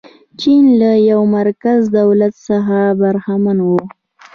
چین له یوه مرکزي دولت څخه برخمن و.